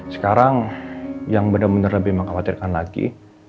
sekarang yang bener bener lebih mengkhawatirkan lagi